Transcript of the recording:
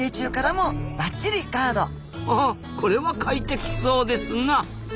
ははこれは快適そうですな。